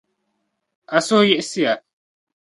A suhi yiɣisi